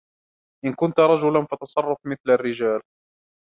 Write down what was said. إن كنتَ رجلا ، فتصرف مثل الرجال.